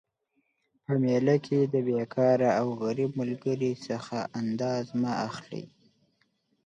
په میله کي د بیکاره او غریب ملګري څخه انداز مه اخلئ